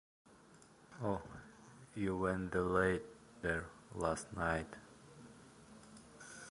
Oh, you went to the larder last night?